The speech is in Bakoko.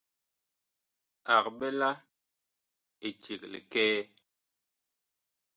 Ag ɓɛ la eceg likɛɛ.